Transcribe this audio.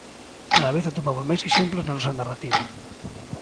Cada vez atopamos máis exemplos na nosa narrativa.